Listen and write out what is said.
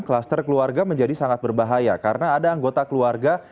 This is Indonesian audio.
kluster keluarga menjadi sangat berbahaya karena ada anggota keluarga